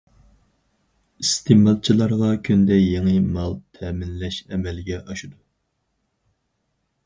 ئىستېمالچىلارغا كۈندە يېڭى مال تەمىنلەش ئەمەلگە ئاشىدۇ.